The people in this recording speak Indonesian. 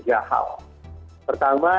tiga hal pertama